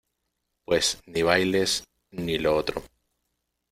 pues ni bailes, ni lo otro.